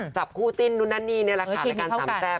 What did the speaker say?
จับคู่จิ้นนู้นนั่นนี่ในรายการรายการสำแซ่บ